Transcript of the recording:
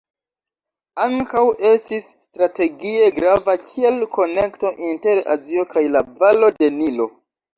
Ankaŭ estis strategie grava kiel konekto inter Azio kaj la valo de Nilo.